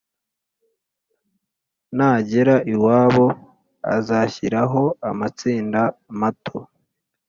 nagera iwabo azashyiraho amatsinda mato